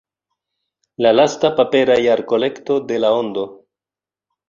La lasta papera jarkolekto de La Ondo.